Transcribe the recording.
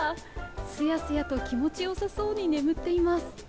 すやすやと気持ちよさそうに眠っています。